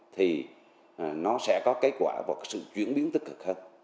thì nó sẽ có kết quả và sự chuyển biến tích cực hơn